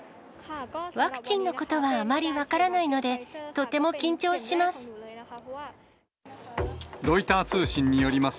ワクチンのことはあまり分からないので、とても緊張します。